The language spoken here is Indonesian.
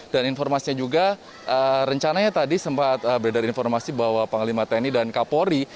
dan informasinya juga rencananya tadi sempat berada informasi bahwa panglima tni dan kapolri